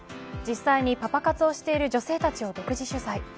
実際にパパ活をしている女性たちを独自取材。